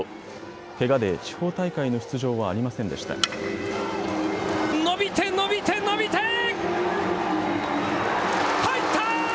けがで地方大会の出場はありませんでした。